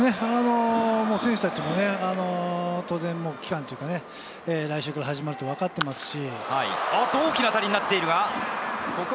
選手たちも当然、来週から始まると分かっていますし。